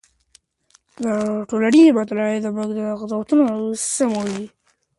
د ټولنپوهنې مطالعه زموږ قضاوتونه سموي.